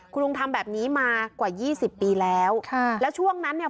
คุณลุงทำแบบนี้มากว่ายี่สิบปีแล้วค่ะแล้วช่วงนั้นเนี่ย